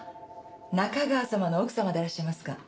中川さまの奥さまでらっしゃいますか。